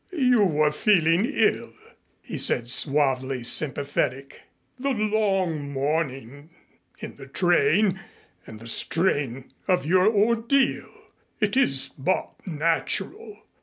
"You were feeling ill," he said, suavely sympathetic. "The long morning in the train and the strain of your ordeal. It is but natural.